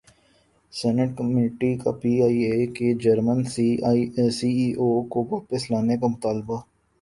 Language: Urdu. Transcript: سینیٹ کمیٹی کا پی ائی اے کے جرمن سی ای او کو واپس لانے کا مطالبہ